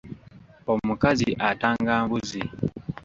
Omukazi atanga mbuzi.